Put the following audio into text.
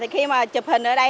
khi mà chụp hình ở đây